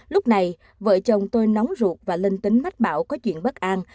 lúc này vợ chồng tôi nóng ruột và linh tính mách bảo có chuyện bất an